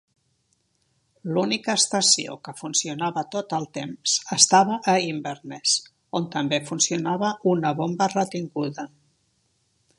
L'única estació que funcionava tot el temps estava a Inverness, on també funcionava una bomba retinguda.